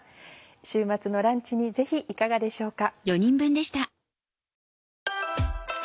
週末のランチにぜひいかがでしょうか。